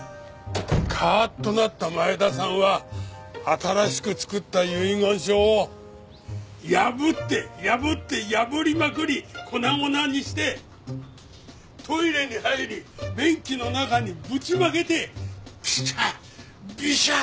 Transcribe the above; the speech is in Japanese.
カーッとなった前田さんは新しく作った遺言書を破って破って破りまくり粉々にしてトイレに入り便器の中にぶちまけてビシャ！